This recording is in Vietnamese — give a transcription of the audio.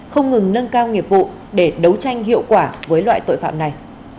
không ngừng nâng cao nghiệp vụ để đấu tranh hiệu quả với loại tội phạm này